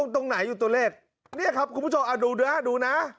ตรงไหนอยู่ตัวเลขนี่ครับคุณผู้ชมดูด้วยนะดูนะ